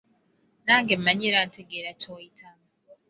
Nange mmanyi era ntegeera ky'oyitamu.